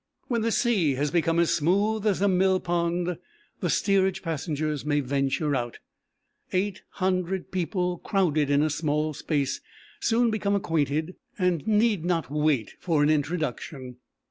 When the sea has become as smooth as a mill pond the steerage passengers may venture out; 800 people, crowded in a small space, soon become acquainted and need not wait for an introduction.